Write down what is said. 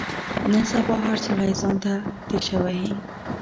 نن سبا هر سړی ځان ته تېشه وهي.